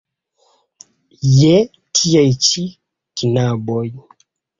Je tiaj ĉi knaboj!